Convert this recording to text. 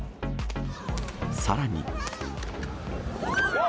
さらに。